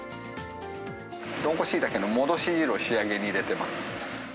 どんこシイタケの戻し汁を仕上げに入れてます。